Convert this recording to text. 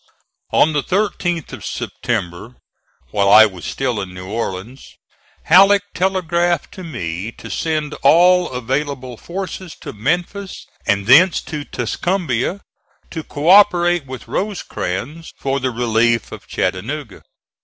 On the 13th of September, while I was still in New Orleans, Halleck telegraphed to me to send all available forces to Memphis and thence to Tuscumbia, to co operate with Rosecrans for the relief of Chattanooga.